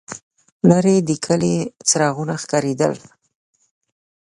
لرې د کلي څراغونه ښکارېدل.